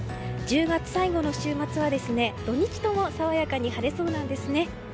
１０月最後の週末は土日とも爽やかに晴れそうなんですね。